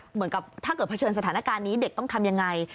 เหมือนกับถ้าเกิดเผชิญสถานการณ์นี้เด็กต้องทำยังไง